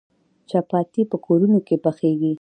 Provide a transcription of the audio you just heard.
چپاتي په کورونو کې پخیږي.